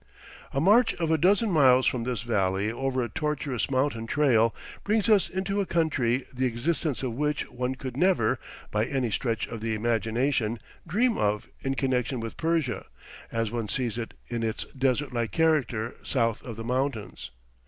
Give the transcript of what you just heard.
A march of a dozen miles from this valley over a tortuous mountain trail brings us into a country the existence of which one could never, by any stretch of the imagination, dream of in connection with Persia, as one sees it in its desert like character south of the mountains.